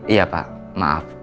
iya pak maaf